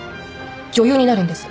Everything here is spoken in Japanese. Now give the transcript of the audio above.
女優になるんです。